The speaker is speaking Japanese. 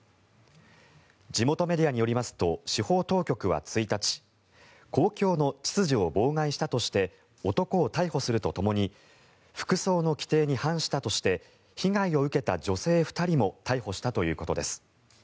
地元メディアによりますと司法当局は１日公共の秩序を妨害したとして男を逮捕するとともに服装の規定に反したとして被害を受けた女性２人も逮捕したということです。